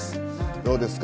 どうですか？